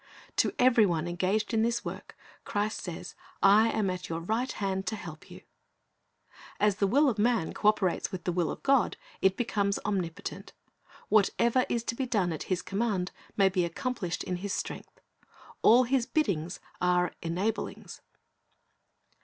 To every one engaged in this work Christ says, I am at your right hand to help you. ijohn 15: 5 Talents 333 As the will of man co operates with the will of God, it becomes omnipotent. Whatever is to be done at His command, may be accomplished in His strength. All His biddings are enablings.